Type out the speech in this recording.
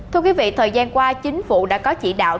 thưa quý vị thời gian qua chính phủ đã có chỉ đạo